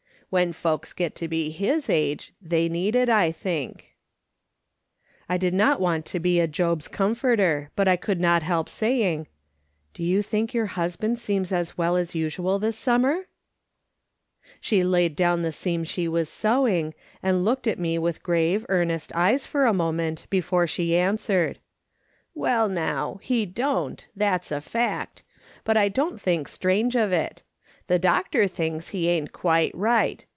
AVhen folks get to be his age they need it, I think." I did not want to be a Job's comforter, but I could not help saying : 298 M/^S. SOLOMON SMITH LOOKING ON. " Do you think your husband seems as well as usual this summer ?" She laid down the seam she was sewing, and looked at me with grave, earnest eyes for a moment before she answered :" Well, now, he don't, that's a fact ; but I don't think strange of it. The doctor thinks he ain't quite right.